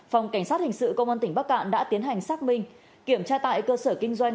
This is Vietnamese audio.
phòng cảnh sát hình sự công an tỉnh bắc cạn đã tiến hành xác minh kiểm tra tại cơ sở kinh doanh